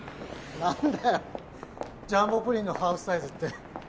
ジャンボプリンのハーフサイズって。